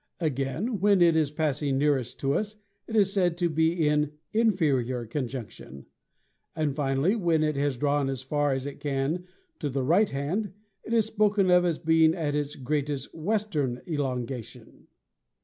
Again when it is passing nearest to us it is said to be in 'Inferior Conjunction'; and finally, when it has drawn as far as it can to the right hand, it is spoken of as being at its 'Greatest Western Elongation.'